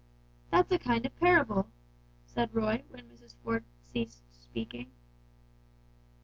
"That's a kind of parable," said Roy when Mrs. Ford ceased speaking.